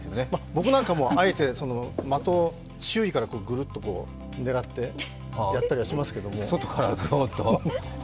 僕なんか、あえて的を周囲からぐるっと狙ってやったりしますけどね。